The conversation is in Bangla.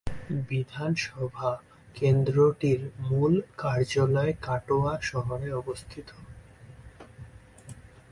বিধানসভা কেন্দ্রটির মূল কার্যালয় কাটোয়া শহরে অবস্থিত।